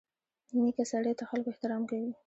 نیکه سړي ته خلکو احترام کوي.